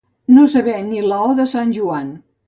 No saber ni la «o» de sant Joan.